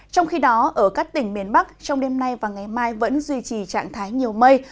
trong khi đó ở các tỉnh miền bắc trong đêm nay và ngày mai vẫn duy trì trạng thái nhiều mây